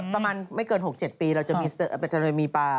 ประมาณไม่เกิน๖๗ปีเราจะมีปลา